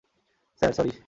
Sir, sorry.